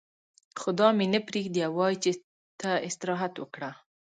خو دا مې نه پرېږدي او وايي چې ته استراحت وکړه.